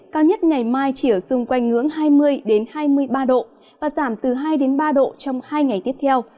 cao nhất ngày mai chỉ ở xung quanh ngưỡng hai mươi hai mươi ba độ và giảm từ hai ba độ trong hai ngày tiếp theo